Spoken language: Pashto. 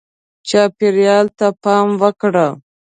چاپېریال ته پام وکړه.